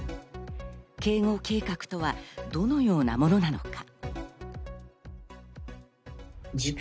警護計画とはどのようなものなのか。